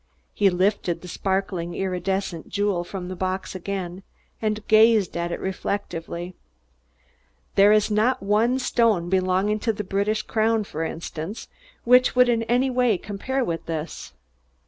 He lifted the sparkling, iridescent jewel from the box again, and gazed at it reflectively. "There is not one stone belonging to the British crown, for instance, which would in any way compare with this."